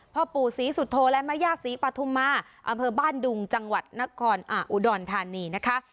พ่อปู่ศรีสุโธและแม่ย่าศรีปฐุมาอำเภอบ้านดุงจังหวัดนครอุดรธานีนะคะ